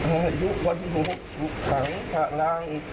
อายุควันหกสุขังพระราง